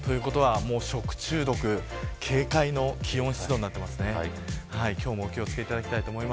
ということは食中毒警戒の気温、湿度になっていますね。